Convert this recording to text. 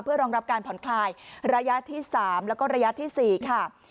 เพื่อรองรับการผ่อนคลายระยะที่๓แล้วก็ระยะที่๔ค่ะ